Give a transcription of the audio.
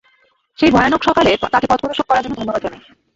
সেই ভয়ানক সকালে তাকে পথপ্রদর্শক করার জন্য ধন্যবাদ জানাই।